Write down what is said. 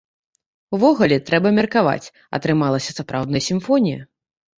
Увогуле, трэба меркаваць, атрымалася сапраўдная сімфонія.